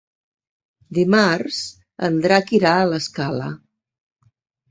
Dimarts en Drac irà a l'Escala.